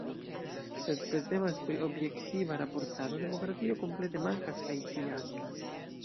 Sed se temas pri objektiva raportado, demokratio komplete mankas kaj fiaskas.